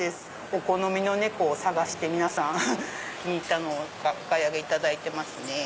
お好みの猫を探して気に入ったのお買い上げいただいてますね。